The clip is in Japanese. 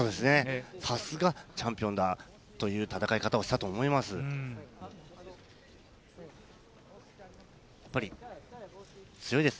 さすがチャンピオンだという戦い方をしたと思います。